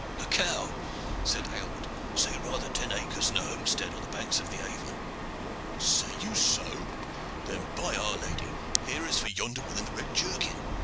"A cow!" said Aylward. "Say rather ten acres and a homestead on the banks of Avon." "Say you so? Then, by our Lady! here is for yonder one in the red jerkin!"